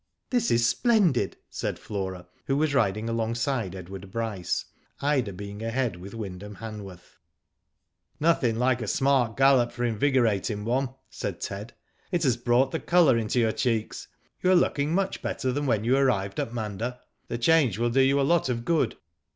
" This is splendid/' said Flora, who was riding alongside Edward Bryce, Ida being ahead with Wyndham Hanworth. " Nothing like a smart gallop for invigorating one,*' said Ted. *Mt has brought the colour into your cheeks. You are looking much better than when you arrived at Munda.' The change will do you a lot of good."